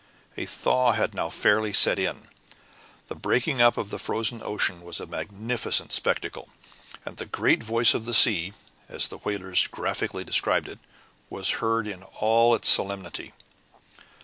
A thaw had now fairly set in. The breaking up of the frozen ocean was a magnificent spectacle, and "the great voice of the sea," as the whalers graphically describe it, was heard in all its solemnity.